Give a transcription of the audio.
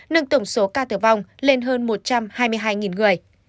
nâng tổng số ca tử vong lên hơn một trăm hai mươi hai người